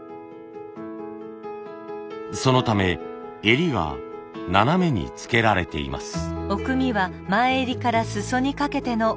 そのため襟が斜めにつけられています。